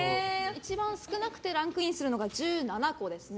一番少なくてランクインするのが１７個です。